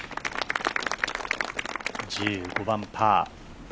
１５番、パー。